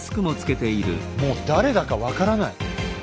もう誰だか分からない。